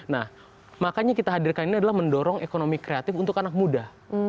nah makanya kita hadirkan ini adalah mendorong ekonomi kreatif untuk anak muda